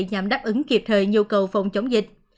nhằm đáp ứng kịp thời nhu cầu phòng chống dịch